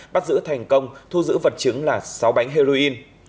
bắt giữ thành công thu giữ vật chứng là sáu bánh heroin